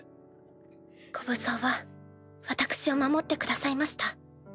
ゴブゾウは私を守ってくださいました。